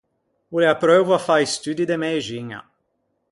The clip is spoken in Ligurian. O l’é apreuvo à fâ i studdi de mëxiña.